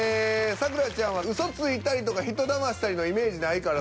咲楽ちゃんはうそついたりとか人だましたりのイメージないから。